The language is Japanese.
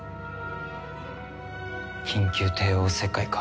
緊急帝王切開か。